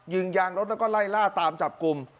ยางรถแล้วก็ไล่ล่าตามจับกลุ่ม